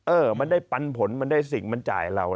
เออมันได้ปันผลมันได้สิ่งมันจ่ายเรา